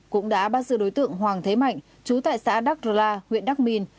cũng đã bắt giữ đối tượng hoàng thế mạnh chú tại xã đắk rơ la nguyện đắk minh